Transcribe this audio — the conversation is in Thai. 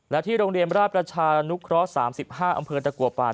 และที่โรงเรียนราชนุครสามสิบห้าอำเภอตะกวบป่าน